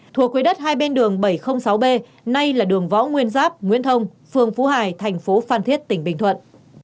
thuộc quy đất hai bên đường bảy trăm linh sáu b nay là đường võ nguyên giáp nguyễn thông phường phú hải thành phố phan thiết tỉnh bình thuận